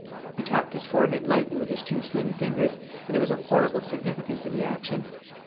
He tapped his forehead lightly with his two slim fingers, and there was a horrible significance in the action.